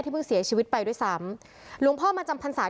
ที่เสียชีวิตไปด้วยซ้ำ